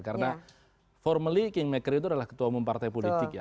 karena formally kingmaker itu adalah ketua umum partai politik ya